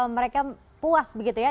mereka puas begitu ya